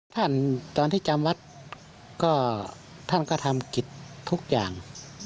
ตอนที่จำวัดก็ท่านก็ทำกิจทุกอย่าง